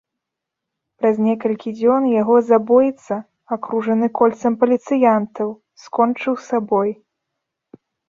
Праз некалькі дзён яго забойца, акружаны кольцам паліцыянтаў, скончыў сабой.